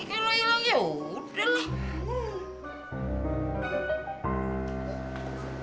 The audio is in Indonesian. kalau hilang yaudah lah